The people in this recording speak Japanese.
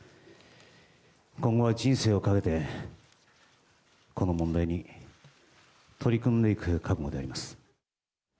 今後は人生を懸けて、この問題に取り組んでいく覚悟であります。